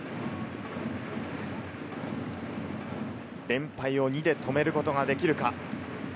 連敗を２で止めることができるか。